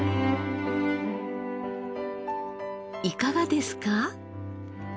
いかがですか？